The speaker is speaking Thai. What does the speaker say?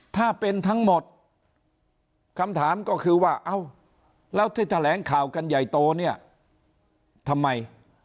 ถ้าเป็นทั้งหมดคำถามก็คือว่าเอ้าแล้วที่แถลงข่าวกันใหญ่โตเนี่ยทำไม